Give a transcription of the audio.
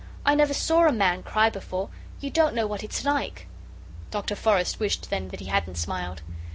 I never saw a man cry before. You don't know what it's like." Dr. Forrest wished then that he hadn't smiled.